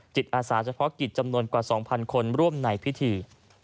จิตอาสาเฉพาะกิจจำนวนกว่า๒๐๐คนร่วมในพิธี